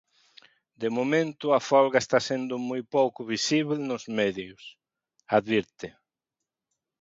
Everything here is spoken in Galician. "De momento a folga está sendo moi pouco visible nos medios", advirte.